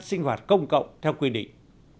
sinh hoạt công cộng theo quy định